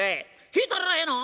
引いたらええの！？